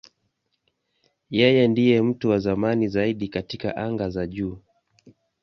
Yeye ndiye mtu wa zamani zaidi katika anga za juu.